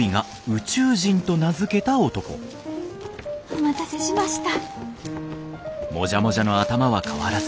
お待たせしました。